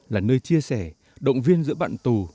là nơi chia sẻ động viên giữa bạn tù